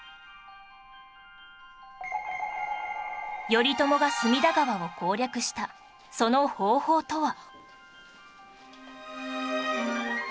頼朝が隅田川を攻略したその方法とは？